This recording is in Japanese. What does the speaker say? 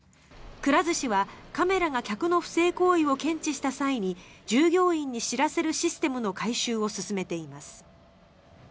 くら寿司は、カメラが客の不正行為を検知した際に従業員に知らせるシステムの改修を進めています。